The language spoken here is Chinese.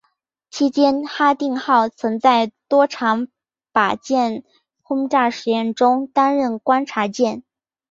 期间哈定号曾在多场靶舰轰炸实验中担任观察舰。